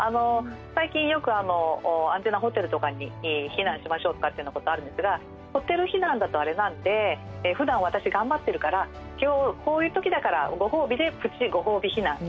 最近よく安全なホテルとかに避難しましょうとかっていうようなことあるんですがホテル避難だとあれなんでふだん私頑張ってるからこういう時だからご褒美でプチご褒美避難っていうふうにすると。